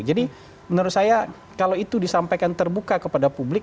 jadi menurut saya kalau itu disampaikan terbuka kepada publik